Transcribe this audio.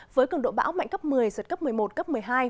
với cường độ bão mạnh cấp một mươi giật cấp một mươi một cấp một mươi hai